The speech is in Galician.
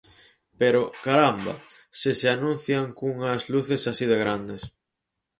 Pero, ¡caramba!, se se anuncian cunhas luces así de grandes.